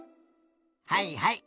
はいはい。